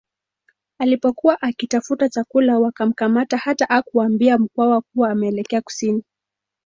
Alipokuwa akitafuta chakula wakamkamata hata akawaambia Mkwawa kuwa ameelekea kusini